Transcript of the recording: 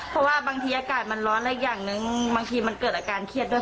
เพราะว่าบางทีอากาศมันร้อนและอย่างนึงบางทีมันเกิดอาการเครียดด้วย